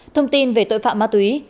thông tin về tội phạm ma túy